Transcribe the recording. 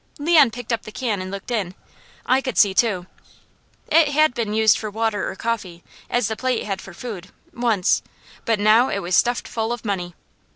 Leon picked up the can and looked in. I could see too. It had been used for water or coffee, as the plate had for food, once, but now it was stuffed full of money.